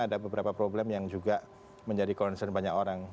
ada beberapa problem yang juga menjadi concern banyak orang